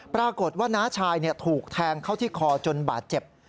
ปรากฏว่าน้าชายถูกแทงเข้าที่คอจนบาดเจ็บ